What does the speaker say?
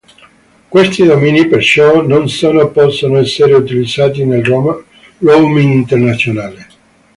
Questi domini, perciò, non sono possono essere utilizzati nel roaming internazionale.